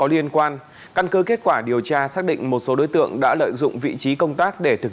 liên quan căn cứ kết quả điều tra xác định một số đối tượng đã lợi dụng vị trí công tác để thực